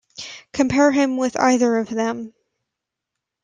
Compare him with either of them.